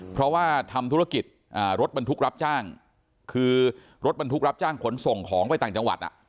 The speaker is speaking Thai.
เพราะว่าทำธุรกิจรถบรรทุกรับจ้างคือรถบรรทุกรับจ้างขนส่งของไปต่างจังหวัด